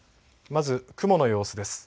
まず雲の様子です。